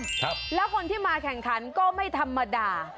ครับแล้วคนที่มาแข่งขันก็ไม่ธรรมดา